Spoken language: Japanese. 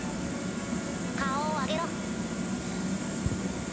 顔を上げろ。